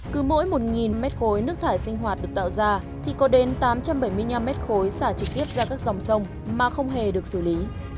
cứ mỗi một mét khối nước thải sinh hoạt được tạo ra thì có đến tám trăm bảy mươi năm mét khối xả trực tiếp ra các dòng sông mà không hề được xử lý